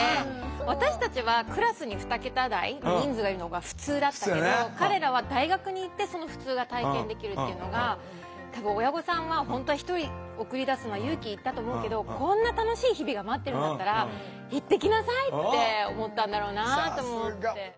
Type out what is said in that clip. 私たちはクラスに２桁台の人数がいるのがふつうだったけど彼らは大学に行ってそのふつうが体験できるっていうのが多分親御さんは本当は一人送り出すのは勇気いったと思うけどこんな楽しい日々が待ってるんだったら「行ってきなさい」って思ったんだろうなと思って。